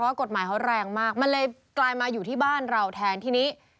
ว่ากฎหมายเขาแรงมากมันเลยกลายมาอยู่ที่บ้านเราแทนทีนี้